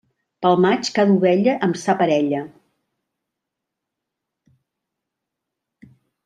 Pel maig, cada ovella amb sa parella.